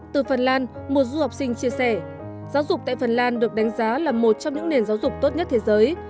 từ phần lan một du học sinh chia sẻ giáo dục tại phần lan được đánh giá là một trong những nền giáo dục tốt nhất thế giới